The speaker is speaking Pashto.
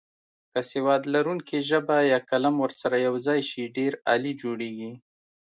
که سواد لرونکې ژبه یا قلم ورسره یوځای شي ډېر عالي جوړیږي.